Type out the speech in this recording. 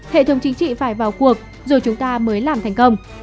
hệ thống chính trị phải vào cuộc rồi chúng ta mới làm thành công